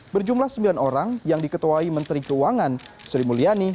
berjumlah sembilan orang yang diketuai menteri keuangan sri mulyani